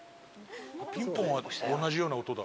ピンポンは同じような音だ。